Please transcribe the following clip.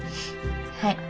はい。